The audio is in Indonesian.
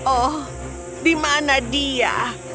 oh di mana dia